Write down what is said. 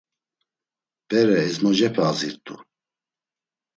Bere ezmocepe azirt̆u.